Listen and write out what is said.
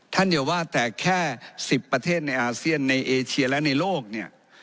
อย่าว่าแต่แค่๑๐ประเทศในอาเซียนในเอเชียและในโลกเนี่ย